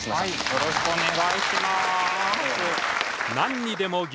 よろしくお願いします。